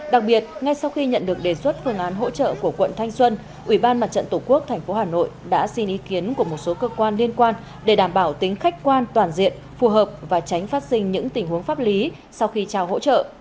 đặc biệt ngay sau khi nhận được đề xuất phương án hỗ trợ của quận thanh xuân ủy ban mặt trận tổ quốc tp hà nội đã xin ý kiến của một số cơ quan liên quan để đảm bảo tính khách quan toàn diện phù hợp và tránh phát sinh những tình huống pháp lý sau khi trao hỗ trợ